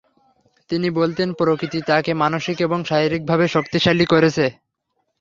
তিনি বলতেন, প্রকৃতি তাকে মানসিক এবং শারীরিকভাবে শক্তিশালী করেছে।